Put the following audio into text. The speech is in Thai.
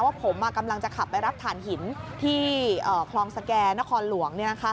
ว่าผมกำลังจะขับไปรับฐานหินที่คลองสแก่นครหลวง